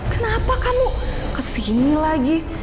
kenapa kamu kesini lagi